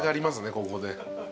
ここで。